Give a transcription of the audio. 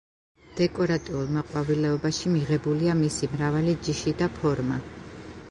დეკორატიულ მეყვავილეობაში მიღებულია მისი მრავალი ჯიში და ფორმა.